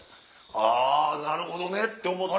あぁなるほどね！って思った。